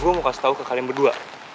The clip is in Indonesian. nih gue mau kasih tahu ke kalian berdua